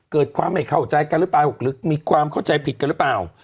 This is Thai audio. เกิดความไม่เข้าใจกันหรือเปล่าหรือมีความเข้าใจผิดกันหรือเปล่า